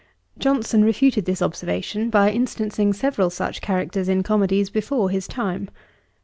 Johnson refuted this observation by instancing several such characters in comedies before his time.